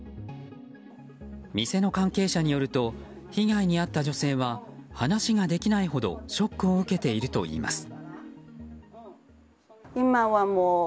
店の関係者によると被害に遭った女性は話ができないほどショックを受けているといいます。